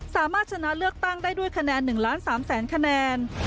สามารถชนะเลือกตั้งได้ด้วยคะแนน๑ล้าน๓แสนคะแนน